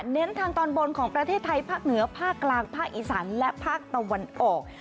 เน้นทางตอนบนของประเทศไทยภาคเหนือภาคกลางภาคอีสานและภาคตะวันออก